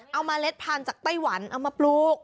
เอาเมล็ดพันธุ์จากไต้หวันเอามาปลูก